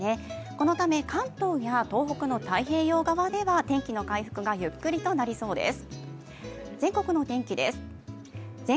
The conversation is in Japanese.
このため関東や東北の太平洋側では天気の回復がゆっくりとなりそうです。